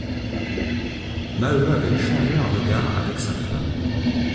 Maheu avait échangé un regard avec sa femme.